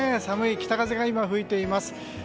寒い北風が吹いています。